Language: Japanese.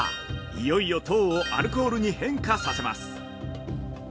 いよいよ糖をアルコールに変化させます。